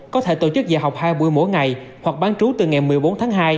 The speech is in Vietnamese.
có thể tổ chức dạy học hai buổi mỗi ngày hoặc bán trú từ ngày một mươi bốn tháng hai